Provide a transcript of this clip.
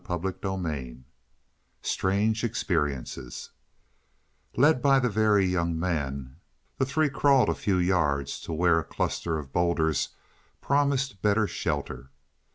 CHAPTER XIV STRANGE EXPERIENCES Led by the Very Young Man, the three crawled a few yards to where a cluster of bowlders promised better shelter.